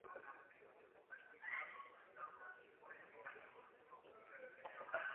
En el evento Aniversario!